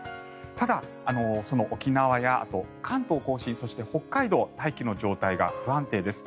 ただ、沖縄や関東・甲信そして、北海道は大気の状態が不安定です。